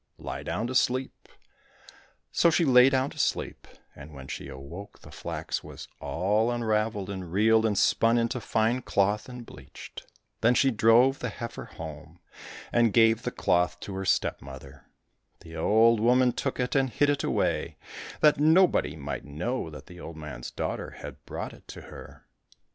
Lie down to sleep !"— So she lay down to sleep, and when she awoke the flax was all unravelled and reeled and spun into fine cloth, and bleached. Then she drove the heifer home H7 COSSACK FAIRY TALES and gave the cloth to her stepmother. The old woman took it and hid it away, that nobody might know that the old man's daughter had brought it to her.